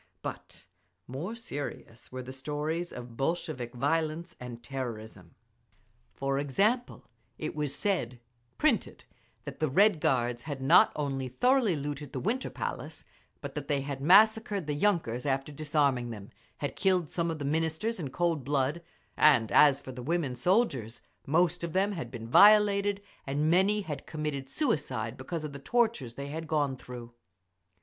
But more serious were the stories of Bolshevik violence and terrorism. For example, it was said printed that the Red Guards had not only thoroughly looted the Winter Palace, but that they had massacred the yunkers after disarming them, had killed some of the Ministers in cold blood; and as for the woman soldiers, most of them had been violated, and many had committed suicide because of the tortures they had gone through….